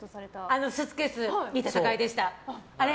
あのスーツケースいい戦いでした。